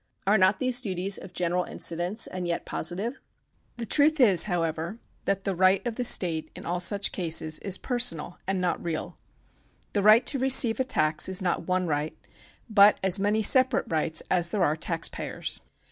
Are not these duties of general incidence, and yet positive ? The truth is, however, that the right of the state in all such cases is personal and not real. The right to receive a tax is not one right, but as many separate rights as there are tax payers.